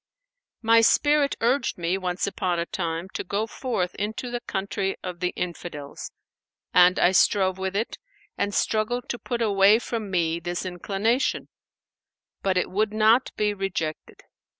"My spirit urged me, once upon a time, to go forth into the country of the Infidels; and I strove with it and struggled to put away from me this inclination; but it would not be rejected.